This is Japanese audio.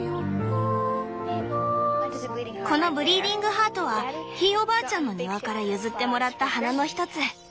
このブリーディングハートはひいおばあちゃんの庭から譲ってもらった花のひとつ。